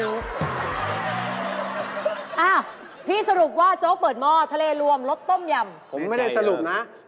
อ้าวพี่สรุปว่าโจ๊กเปิดหม้อทะเลรวมรสต้มยำผมไม่ได้สรุปนะ